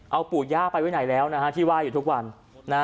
เอาปู่ย่าไปไว้ไหนแล้วนะฮะที่ไหว้อยู่ทุกวันนะฮะ